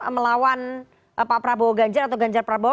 melawan pak prabowo ganjar atau ganjar prabowo